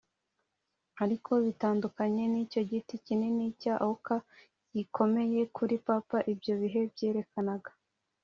ariko bitandukanye nicyo giti kinini cya oak gikomeye, kuri papa ibyo bihe byerekanaga.